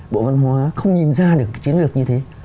bộ văn hóa không nhìn ra được cái chiến lược như thế